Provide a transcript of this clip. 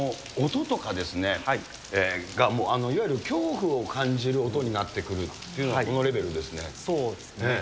音とかがいわゆる恐怖を感じる音になってくるっていうのはこそうですね。